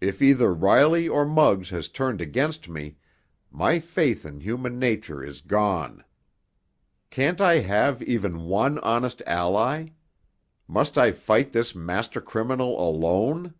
If either Riley or Muggs has turned against me, my faith in human nature is gone! Can't I have even one honest ally? Must I fight this master criminal alone?"